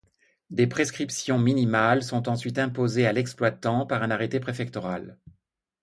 Des prescriptions minimales sont ensuite imposées à l’exploitant par un arrêté préfectoral.